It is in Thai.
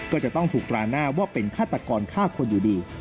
ก็จะต้องถูกตราหน้าว่าเป็นฆาตกรฆ่าคนอยู่ดี